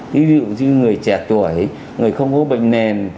ví dụ như người trẻ tuổi người không có bệnh nền